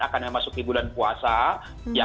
akan masuk ke bulan puasa